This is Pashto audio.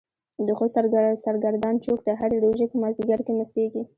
د خوست سرګردان چوک د هرې روژې په مازديګر کې مستيږي.